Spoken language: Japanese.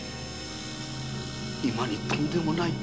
今にとんでもないことが。